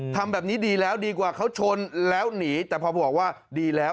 ทำแบบนี้ดีแล้วดีกว่าเขาชนแล้วหนีแต่พอบอกว่าดีแล้ว